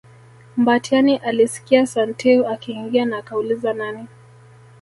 Mbatiany alisikia Santeu akiingia na akauliza nani